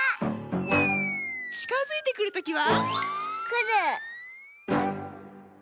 ちかづいてくるときは。